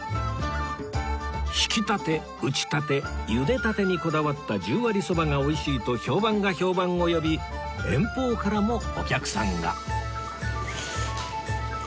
ひきたて打ちたてゆでたてにこだわった十割蕎麦がおいしいと評判が評判を呼び遠方からもお客さんが